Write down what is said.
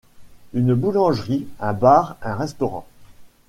Une boulangerie, un bar, un restaurant.